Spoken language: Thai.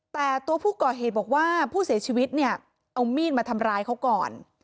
แต่ตัวผู้ก่อเหตุบอกว่าผู้เสียชีวิตเนี่ยเอามีดมาทำร้ายเขาก่อน